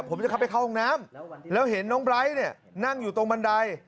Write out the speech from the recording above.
ผมจะเข้าไปเข้าห้องน้ำแล้วเห็นน้องไบร์ทเนี่ยนั่งอยู่ตรงบันได